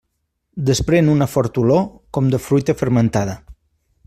Desprèn una forta olor com de fruita fermentada.